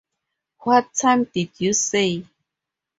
What time did you say?